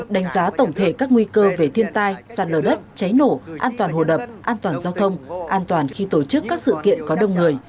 đánh giá tổng thể các nguy cơ về thiên tai sạt lở đất cháy nổ an toàn hồ đập an toàn giao thông an toàn khi tổ chức các sự kiện có đông người